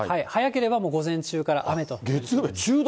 早ければもう午前中から雨ということです。